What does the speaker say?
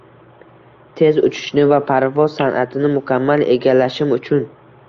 Tez uchishni va parvoz san’atini mukammal egallashim uchun